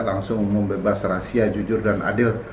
langsung membebas rahasia jujur dan adil